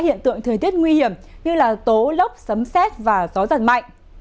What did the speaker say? hiện tượng thời tiết nguy hiểm như tố lốc sấm xét và gió giật mạnh